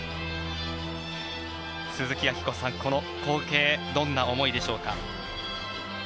鈴木明子さん、この光景どんな思いでしょうか？